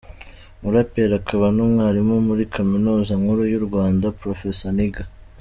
Umuraperi akaba n’umwarimu muri Kaminuza Nkuru y’u Rwanda, Professor Nigga a.